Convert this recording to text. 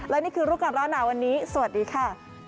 และนี่คือรูปการณ์หนาวันนี้สวัสดีค่ะ